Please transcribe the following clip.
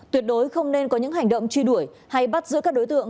tuyệt đối không nên có những hành động truy đuổi hay bắt giữ các đối tượng